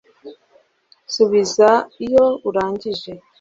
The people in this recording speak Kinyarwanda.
Subiza iyo urangije